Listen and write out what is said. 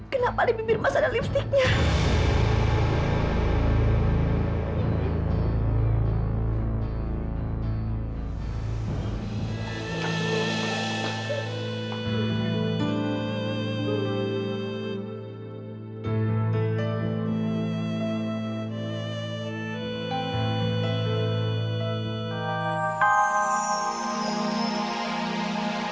kenapa di bibir mas ada lipsticknya